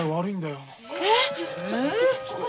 えっ？